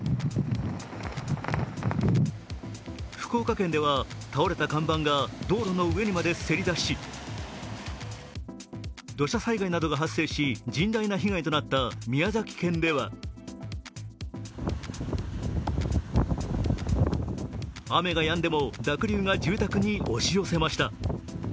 福岡県では、倒れた看板が道路の上にまでせり出し、土砂災害などが発生し、甚大な被害となった宮崎県では雨がやんでも、濁流が住宅に押し寄せました。